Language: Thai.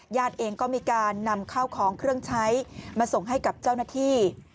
เองก็มีการนำข้าวของเครื่องใช้มาส่งให้กับเจ้าหน้าที่